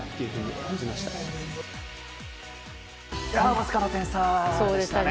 わずかな点差でしたね。